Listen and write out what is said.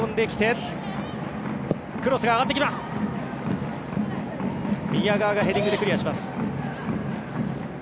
宮川がヘディングでクリアします。